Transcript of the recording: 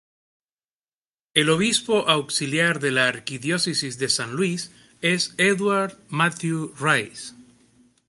El obispo auxiliar de la Arquidiócesis de San Luis es Edward Matthew Rice.